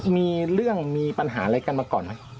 มีเรื่องมีปัญหาอะไรกันมาก่อนไหม